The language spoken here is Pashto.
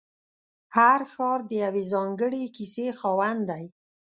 هر ښار د یوې ځانګړې کیسې خاوند دی.